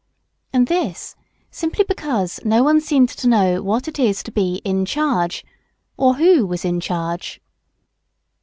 And this simply because no one seemed to know what it is to be "in charge," or who was in charge.